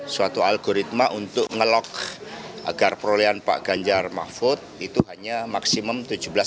suatu algoritma untuk ngelok agar perolehan pak ganjar mahfud itu hanya maksimum tujuh belas